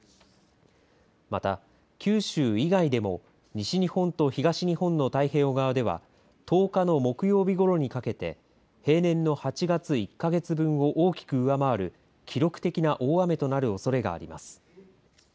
また、九州以外でも西日本と東日本の太平洋側では１０日の木曜日ごろにかけて平年の８月１か月分を大きく上回る記録的な大雨となるおそれがあります。